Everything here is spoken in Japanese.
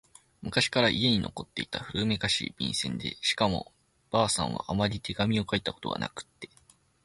昔から家に残っていた古めかしい、便箋でしかも婆さんはあまり手紙を書いたことがなくって……